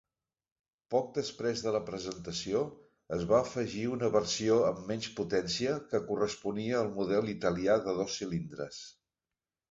Poc després de la presentació, es va afegir una versió amb menys potència que corresponia al model italià de dos cilindres.